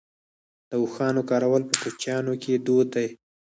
د اوښانو کارول په کوچیانو کې دود دی.